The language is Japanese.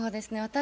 私